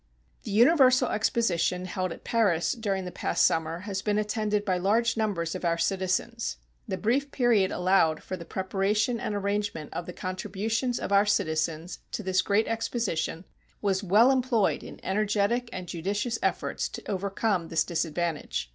The Universal Exposition held at Paris during the past summer has been attended by large numbers of our citizens. The brief period allowed for the preparation and arrangement of the contributions of our citizens to this great exposition was well employed in energetic and judicious efforts to overcome this disadvantage.